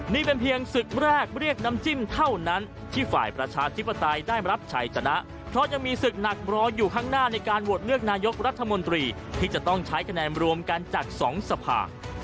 นี่เป็นเพียงศึกแรกเรียกน้ำจิ้มเท่านั้นที่ฝ่ายประชาธิปไตยได้รับชัยชนะเพราะยังมีศึกหนักรออยู่ข้างหน้าในการโหวตเลือกนายกรัฐมนตรีที่จะต้องใช้คะแนนรวมกันจากสองสภา